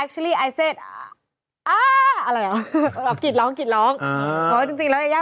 อะไรเหรอแบบกิดร้องกิดร้องอ่าเพราะว่าจริงจริงแล้วไอ้ย่า